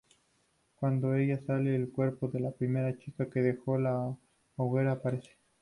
Cuando ella sale, el cuerpo de la primera chica que dejó la hoguera aparece.